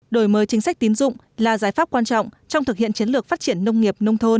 đổi mời chính sách tín dụng là giải pháp quan trọng trong thực hiện chiến lược phát triển nông nghiệp nông thôn